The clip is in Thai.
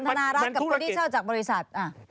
พวกที่เช่าจากบริษัท